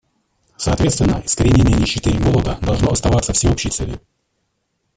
Соответственно, искоренение нищеты и голода должно оставаться всеобщей целью.